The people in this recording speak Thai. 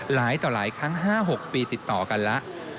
หลายต่อหลายครั้ง๕๖ปีติดต่อกันแล้ว